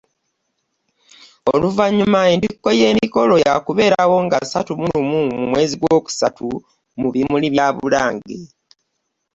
Oluvannyuma entikko y’emikolo yaakubeerawo ng'asatu mu lumu mu mwezi gw'okusatu mu bimuli bya Bulange.